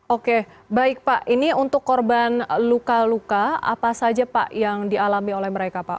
oke baik pak ini untuk korban luka luka apa saja pak yang dialami oleh mereka pak